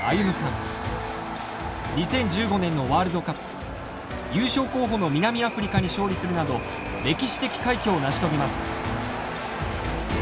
２０１５年のワールドカップ優勝候補の南アフリカに勝利するなど歴史的快挙を成し遂げます。